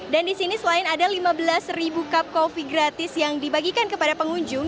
dan di sini selain ada lima belas cup kopi gratis yang dibagikan kepada pengunjung